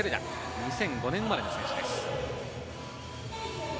２００５年生まれの選手です。